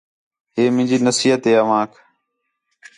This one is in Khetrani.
ہے مینجی نصیحت ہِے اوانک